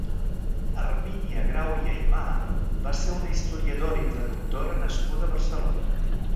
Hermínia Grau i Aymà va ser una historiadora i traductora nascuda a Barcelona.